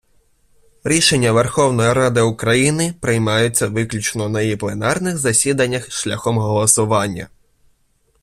Рішення Верховної Ради України приймаються виключно на її пленарних засіданнях шляхом голосування.